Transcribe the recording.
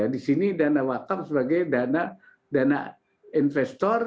di sini dana wakaf sebagai dana investor